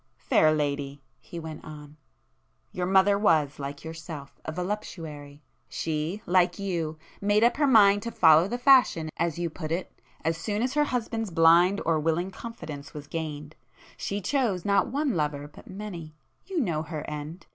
"Fair lady," he went on—"your mother was, like yourself, a voluptuary. She, like you, made up her mind to 'follow the fashion' as you put it, as soon as her husband's 'blind' or willing confidence was gained. She chose, not one lover but many. You know her end.